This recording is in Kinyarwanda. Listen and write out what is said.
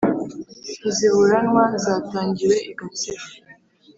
ntiziburanwa zatangiwe i gatsibo